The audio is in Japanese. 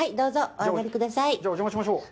じゃあ、お邪魔しましょう。